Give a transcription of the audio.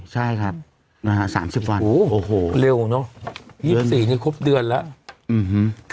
ใช่ครับอ่าสามสิบวันโอ้โหเร็วเนอะยี่สิบสี่นี้ครบเดือนแล้วอืมฮืม